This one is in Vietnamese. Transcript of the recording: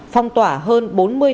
phong tỏa hơn bốn mươi triệu đồng